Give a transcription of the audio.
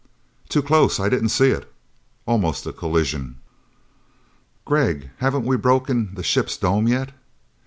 "Too close! I didn't see it." Almost a collision. "Gregg, haven't we broken the ship's dome yet?"